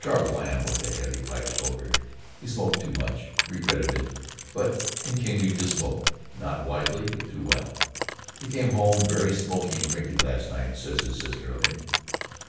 Charles Lamb was a heavy pipe smoker. He smoked too much regretted it but continued to smoke, not wisely but too well. "He came home very smoky and drinky last night," says his sister of him.